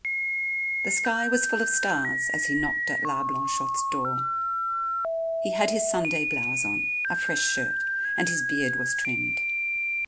The sky was full of stars as he knocked at La Blanchotte's door. He had his Sunday blouse on, a fresh shirt, and his beard was trimmed.